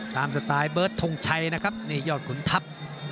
สไตล์เบิร์ตทงชัยนะครับนี่ยอดขุนทัพ